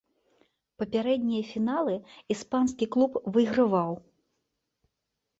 Папярэднія фіналы іспанскі клуб выйграваў.